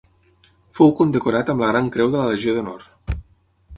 Fou condecorat amb la Gran Creu de la Legió d'Honor.